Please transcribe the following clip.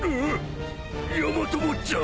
ヤマトぼっちゃん。